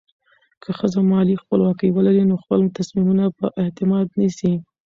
که ښځه مالي خپلواکي ولري، نو خپل تصمیمونه په اعتماد نیسي.